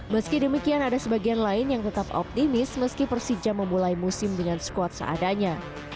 meski demikian ada sebagian lain yang tetap optimis meski persija memulai musim dengan skuad seadanya